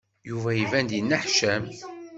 Yuba iban-d yenneḥcam.